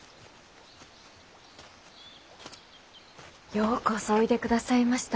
ようこそおいでくださいました。